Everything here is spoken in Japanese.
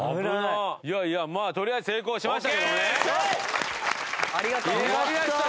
いやいやまあとりあえず成功しましたけどもね。よかった。